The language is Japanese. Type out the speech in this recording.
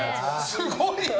すごいね。